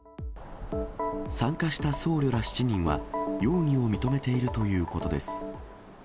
参加した僧侶ら７人は、容疑を認めているということです。